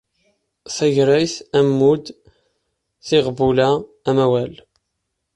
Tagrayt, ammud, tiɣbula, amawal.